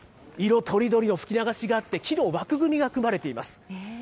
色とりどりの吹き流しがあって、木の枠組みが組まれています。